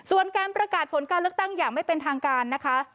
ส่วนการประกาศผลการเลือกตั้งอย่างไม่เป็นทางการนะคะ